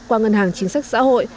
qua ngân hàng chính sách xã hội